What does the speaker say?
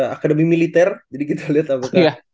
akademi militer jadi kita lihat apakah